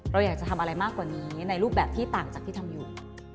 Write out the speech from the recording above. เราอยากจะทำอะไรมากกว่านี้ในรูปแบบที่ต่างจากที่ทำอยู่